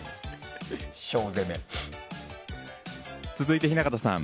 続いて、雛形さん。